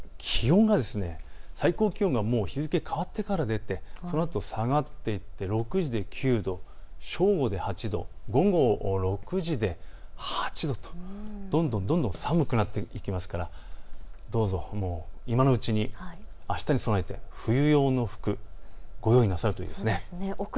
最高気温が日付変わってからで、そのあと下がっていって６時で９度、正午で８度、午後６時で８度とどんどん寒くなっていきますから今のうちにあしたに備えて冬用の服をご用意なさることですね。